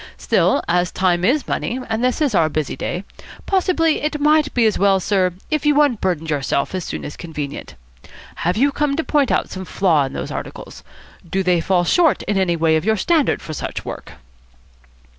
Still, as time is money, and this is our busy day, possibly it might be as well, sir, if you unburdened yourself as soon as convenient. Have you come to point out some flaw in those articles? Do they fall short in any way of your standard for such work?"